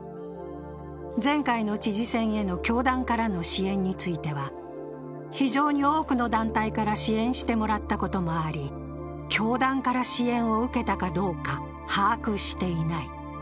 前回の知事選への教団からの支援については非常に多くの団体から支援してもらったこともあり、教団から支援を受けたかどうか把握していない。